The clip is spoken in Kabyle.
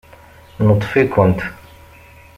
Neṭṭef-ikent.